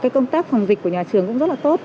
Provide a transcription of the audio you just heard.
công tác phòng dịch của nhà trường cũng rất là tốt